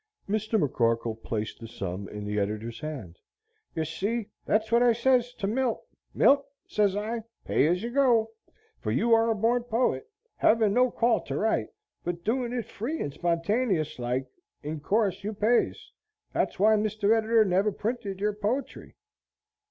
Mr. McCorkle placed the sum in the editor's hand. "Yer see thet's what I sez to Milt, 'Milt,' sez I, 'pay as you go, for you are a borned poet. Hevin no call to write, but doin' it free and spontaneous like, in course you pays. Thet's why Mr. Editor never printed your poetry.'"